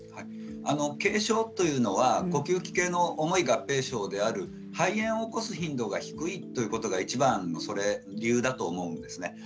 軽症というのは呼吸器系の重い合併症である肺炎を起こす頻度が低いということがいちばんの理由だと思うんですね。